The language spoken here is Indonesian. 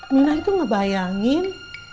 minah itu ngebayangin